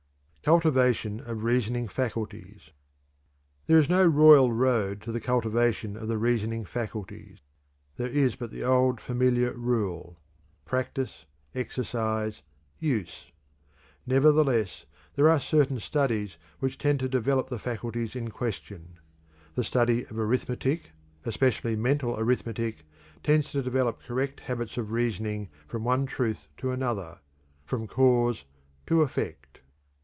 CULTIVATION OF REASONING FACULTIES. There is no royal road to the cultivation of the reasoning faculties. There is but the old familiar rule: Practice, exercise, use. Nevertheless there are certain studies which tend to develop the faculties in question. The study of arithmetic, especially mental arithmetic, tends to develop correct habits of reasoning from one truth to another from cause to effect.